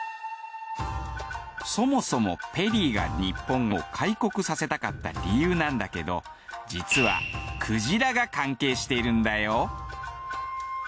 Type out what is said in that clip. そもそもペリーが日本を開国させたかった理由なんだけど実は鯨が関係してるんだよ。